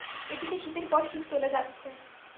এদিকে শীতের পর শীত চলে যাচ্ছে।